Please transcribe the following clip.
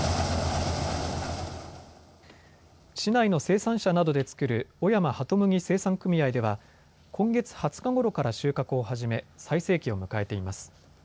市内の生産者などで作る小山はとむぎ生産組合では今月２０日ごろから収穫を始め最盛期を迎えています。